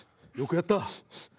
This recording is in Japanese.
よくやった。